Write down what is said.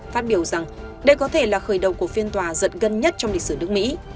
phát biểu rằng đây có thể là khởi đầu của phiên tòa giật gần nhất trong lịch sử nước mỹ